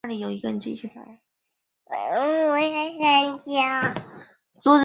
其中彗莲更是一直暗恋武零斗。